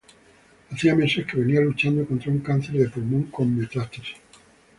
Hacía meses que venia luchando contra un cáncer de pulmón con metástasis.